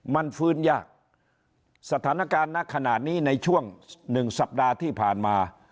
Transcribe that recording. มันฟื้นยากสถานการณ์ณขณะนี้ในช่วงหนึ่งสัปดาห์ที่ผ่านมา